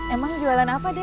emang jualan apa deh